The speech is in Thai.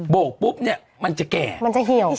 โกกปุ๊บเนี่ยมันจะแก่มันจะเหี่ยว